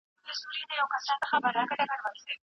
سياسي واک بايد هيڅکله د ځانګړې ډلي په لاس کي نه وي.